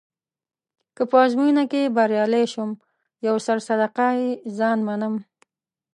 که په ازموینه کې بریالی شوم یو سر صدقه يه ځان منم.